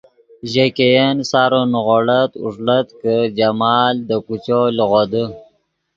ژے ګئین سارو نیغوڑت اوݱڑت کہ جمال دے کوچو لیغودے